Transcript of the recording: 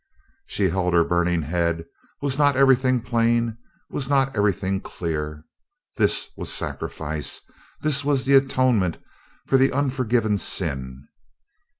She held her burning head was not everything plain? Was not everything clear? This was Sacrifice! This was the Atonement for the unforgiven sin.